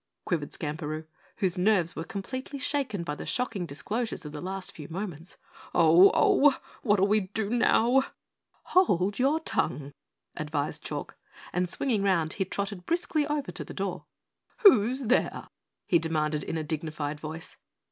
quavered Skamperoo, whose nerves were completely shaken by the shocking disclosures of the last few moments. "Oh! Oh! What'll we do now?" "Hold your tongue," advised Chalk, and swinging round he trotted briskly over to the door. "Who's there?" he demanded in a dignified voice.